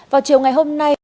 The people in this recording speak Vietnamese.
vào chiều ngày hôm nay